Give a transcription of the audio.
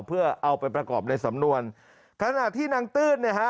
เพื่อเอาไปประกอบในสำนวนขณะที่นางตื้นเนี่ยฮะ